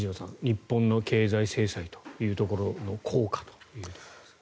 日本の経済制裁というところの効果ということですが。